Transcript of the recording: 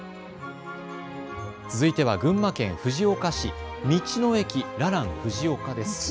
続いては群馬県藤岡市、道の駅、ららん藤岡です。